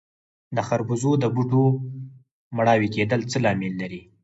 د خربوزو د بوټو مړاوي کیدل څه لامل لري؟